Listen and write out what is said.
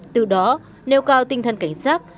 từ đó nêu cao tinh thần cảnh sát